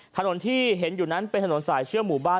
ถนนที่เห็นอยู่นั้นเป็นถนนสายเชื่อหมู่บ้าน